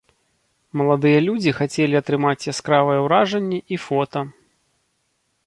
Маладыя людзі хацелі атрымаць яскравыя ўражанні і фота.